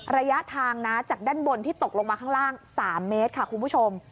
ระยะทางนะจากด้านบนที่ตกลงมาข้างล่าง๓เมตรค่ะคุณผู้ชม